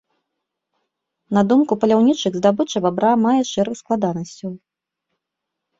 На думку паляўнічых, здабыча бабра мае шэраг складанасцяў.